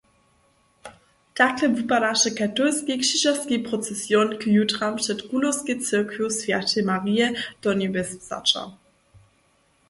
Takle wupadaše katolski křižerski procesion k jutram před Kulowskej cyrkwju swjateje Marije donjebjeswzaća.